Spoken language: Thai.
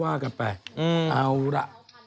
ว่ากันไปเอาล่ะ